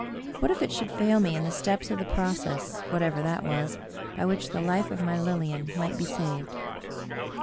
What if it should fail me in the steps of the process, whatever that was, by which the life of my Lilian might be saved